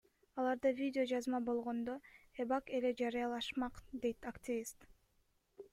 Аларда видео жазма болгондо, эбак эле жарыялашмак, — дейт активист.